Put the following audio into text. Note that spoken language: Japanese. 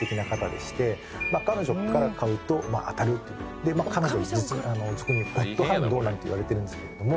で彼女俗にゴッドハンドなんて言われてるんですけれども。